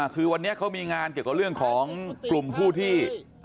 คือวันนี้เขามีงานเกี่ยวกับเรื่องของกลุ่มผู้ที่